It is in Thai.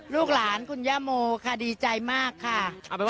ลูกหลานคุณย่าโมค่ะดีใจมากค่ะ